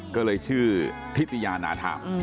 ก็เลยชื่อธิตยานาทาม